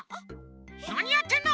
なにやってんの！？